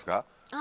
あ。